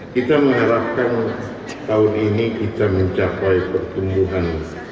kita mengharapkan tahun ini kita mencapai pertumbuhan